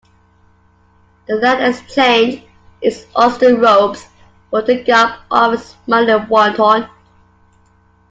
The land exchanged its austere robes for the garb of a smiling wanton.